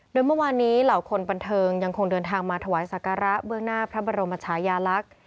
โดยเมื่อวานนี้เหล่าคนบันเทิงยังคงเดินทางมาถวายสักการะเบื้องหน้าพระบรมชายาลักษณ์